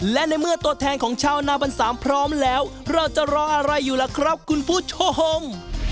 และในเมื่อตัวแทนของชาวนาบันสามพร้อมแล้วเราจะรออะไรอยู่ล่ะครับคุณผู้ชม